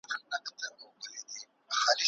بې اجازې د چا کور ته مه ننوځئ.